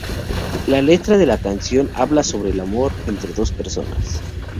La letra de la canción habla sobre el amor entre dos personas.